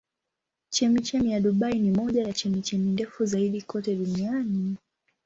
Chemchemi ya Dubai ni moja ya chemchemi ndefu zaidi kote duniani.